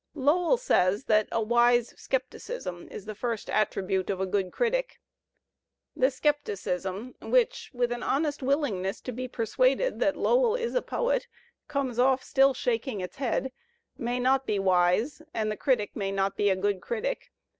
Lowell says that "a wise scepticism is the first attribute of a good critic." The scepticism which, with an honest willingness to be persuaded that Lowell is a poet, comes off still shaking its head, may not be wise and the critic may not be a good critic.